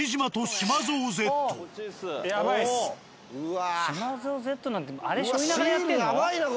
しまぞうＺなんてあれしょいながらやってんの？